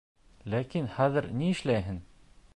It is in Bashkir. Ләкин хәҙер ни эшләйһең?